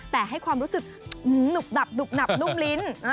แต่ให้ความรู้สึกหนุบหนับหนุบหนับนุ่มลิ้น